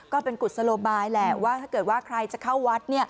กุศโลบายแหละว่าถ้าเกิดว่าใครจะเข้าวัด